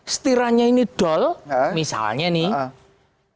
setirannya ini dol misalnya nih